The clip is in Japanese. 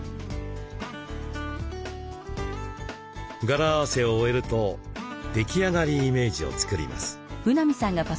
柄合わせを終えると出来上がりイメージを作ります。